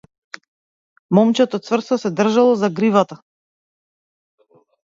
Момчето цврсто се држело за гривата.